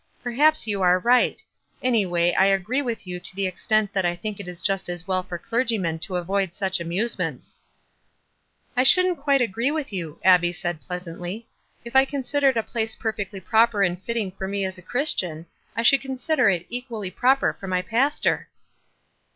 Perhaps you are right. Any way I agree witn you to the extent that I think it is just as well for clergymen to avoid such amusement J " "I shouldn't quite agree with you," Abbie said, pleasantly. "If I considered a place per fectly proper and fitting for me as a Christian, t should consider it equally proper for my pas tor."